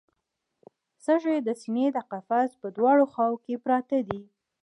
سږي د سینې د قفس په دواړو خواوو کې پراته دي